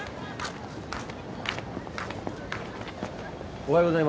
おはようございます。